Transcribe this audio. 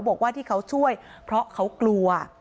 บอกว่าที่เขาช่วยเพราะเขากลัว